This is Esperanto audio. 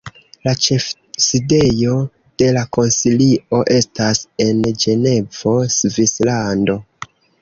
La ĉefsidejo de la Konsilio estas en Ĝenevo, Svislando.